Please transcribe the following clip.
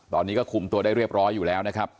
ตอนนี้ก็คุมตัวได้เรียบร้อยอยู่แล้วนะครับ